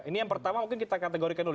ini yang pertama mungkin kita kategorikan dulu